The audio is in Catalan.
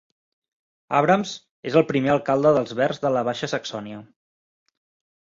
Abrahms és el primer alcalde dels Verds de la Baixa Saxònia.